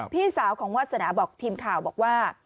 พี่สาวของวาสนาบอกทีมข่าวบอกว่า